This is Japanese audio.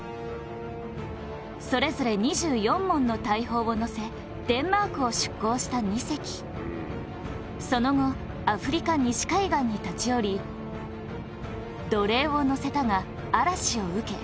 そこにはそれぞれデンマークを出航した２隻その後アフリカ西海岸に立ち寄り奴隷を乗せたが嵐を受け